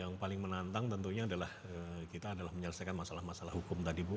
yang paling menantang tentunya adalah kita adalah menyelesaikan masalah masalah hukum tadi bu